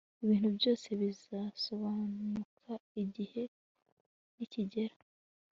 ibintu byose bizasobanuka igihe nikigera